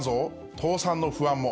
倒産の不安も。